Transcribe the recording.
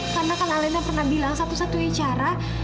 karena kan alena pernah bilang satu satunya cara